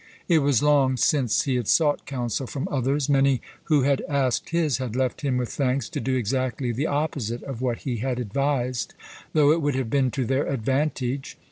It was long since he had sought counsel from others. Many who had asked his, had left him with thanks, to do exactly the opposite of what he had advised, though it would have been to their advantage.